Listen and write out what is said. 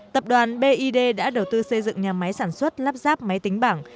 tập đoàn bid đã đầu tư xây dựng nhà máy sản xuất lắp ráp máy tính bảng